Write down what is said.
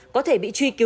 lê thái lê gì kìa